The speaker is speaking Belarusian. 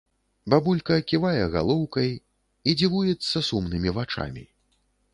Бабулька ківае галоўкай і дзівуецца сумнымі вачамі.